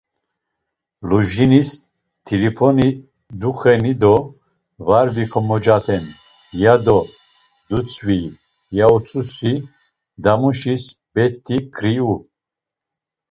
Lujinis t̆ilifoni duxeni do var vikomocaten, yado dutzvi, ya utzusi damuşis, bet̆i ǩriu.